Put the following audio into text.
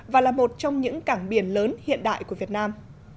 và là một trong những cảng biển lớn hiện đại của việt nam